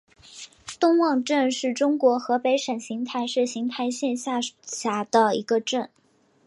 东汪镇是中国河北省邢台市邢台县下辖的一个镇。